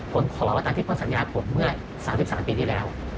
ผมขอตามที่พ่อสัญญาผมเมื่อ๓๓ปีที่แล้ว